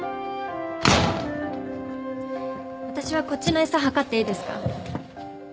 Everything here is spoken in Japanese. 私はこっちの餌計っていいですか？